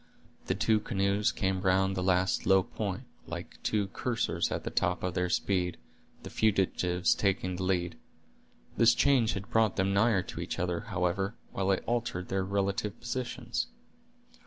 The two canoes came round the last low point, like two coursers at the top of their speed, the fugitives taking the lead. This change had brought them nigher to each other, however, while it altered their relative positions.